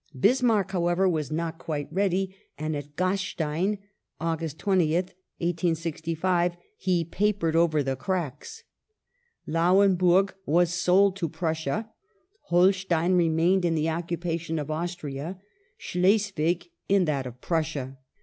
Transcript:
Bismarck, however, was not quite ready, and at Gastein (Aug. 20th, 1865) he " papered over the cracks ". I^uenburg was sold to Prussia ; Holstein remained in the occupation of Austria; Schleswig in that of Prussia.